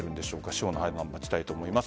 司法の判断を待ちたいと思います。